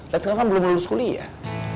dan sekarang kan belum lulus kuliah